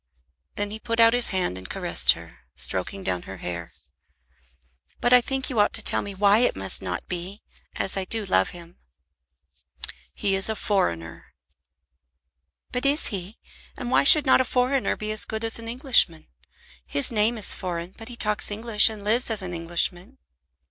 Then he put out his hand and caressed her, stroking down her hair. "But I think you ought to tell me why it must not be, as I do love him." "He is a foreigner." "But is he? And why should not a foreigner be as good as an Englishman? His name is foreign, but he talks English and lives as an Englishman."